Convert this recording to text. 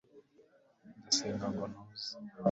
ndasenga ngo ntuze